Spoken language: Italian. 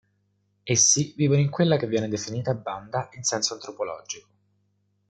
Essi vivono in quella che viene definita banda in senso antropologico.